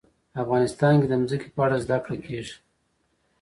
افغانستان کې د ځمکه په اړه زده کړه کېږي.